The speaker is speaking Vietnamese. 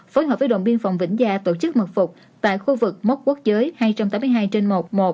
phối hợp với đồn biên phòng vĩnh gia tổ chức mật phục tại khu vực mốc quốc giới hai trăm tám mươi hai trên một một